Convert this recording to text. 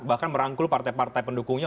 bahkan merangkul partai partai pendukungnya